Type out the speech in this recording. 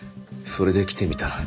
それで来てみたら。